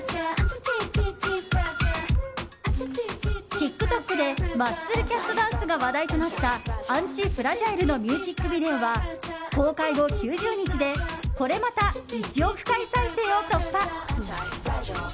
ＴｉｋＴｏｋでマッスルキャットダンスが話題となった「ＡＮＴＩＦＲＡＧＩＬＥ」のミュージックビデオは公開後９０日でこれまた１億回再生を突破。